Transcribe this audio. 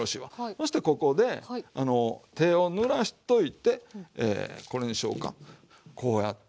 そしてここで手をぬらしといてこれにしようかこうやって。